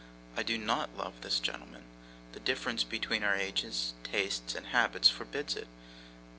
I do NOT love this gentleman. The difference between our ages, tastes, and habits, forbids it.